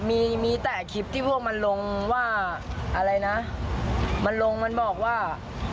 มีมีแต่คลิปที่พวกมันลงว่าอะไรนะมันลงมันบอกว่า